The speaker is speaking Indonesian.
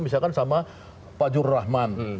misalkan sama pak jururahman